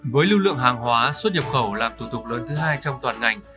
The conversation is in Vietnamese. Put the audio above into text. với lưu lượng hàng hóa xuất nhập khẩu làm thủ tục lớn thứ hai trong toàn ngành